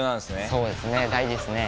そうですね大事ですね。